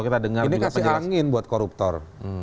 ini kasih angin buat koruptor